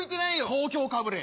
東京かぶれ。